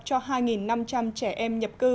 cho hai năm trăm linh trẻ em nhập cư